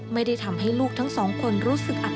ไม่ได้ทำให้ลูกทั้งสองคนรู้สึกอัด